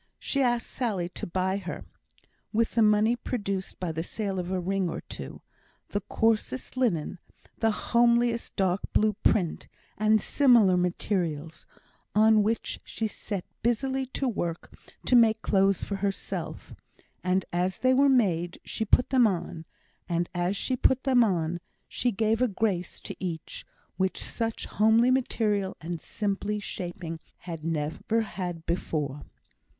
She asked Sally to buy her (with the money produced by the sale of a ring or two) the coarsest linen, the homeliest dark blue print, and similar materials; on which she set busily to work to make clothes for herself; and as they were made, she put them on; and as she put them on, she gave a grace to each, which such homely material and simple shaping had never had before.